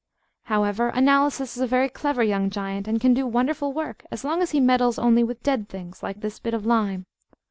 However, Analysis is a very clever young giant, and can do wonderful work as long as he meddles only with dead things, like this bit of lime.